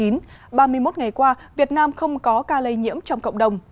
ba mươi một ngày qua việt nam không có ca lây nhiễm trong cộng đồng